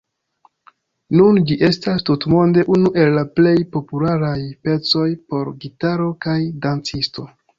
Nun ĝi estas tutmonde unu el la plej popularaj pecoj por gitaro kaj dancisto.